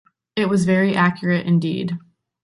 It was very accurate indeed.